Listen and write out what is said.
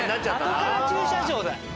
あとから駐車場だ。